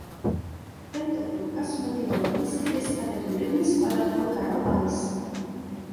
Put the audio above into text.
Tento průkaz mu měl na místě vystavit hudební skladatel Karel Weiss.